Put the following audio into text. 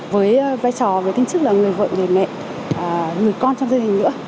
với vai trò với tính chức là người vợ người mẹ người con trong gia đình nữa